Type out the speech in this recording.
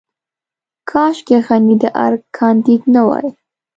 کاشکې غني د ارګ کانديد نه وای.